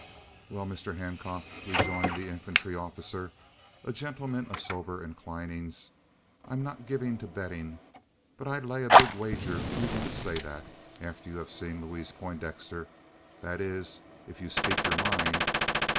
"Well, Mr Hancock," rejoined the infantry officer, a gentleman of sober inclinings, "I'm not given to betting; but I'd lay a big wager you won't say that, after you have seen Louise Poindexter that is, if you speak your mind."